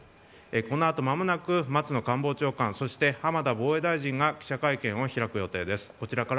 この後、間もなく松野官房長官そして浜田防衛大臣が記者会見を開く予定です。